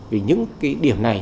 vì những cái điểm này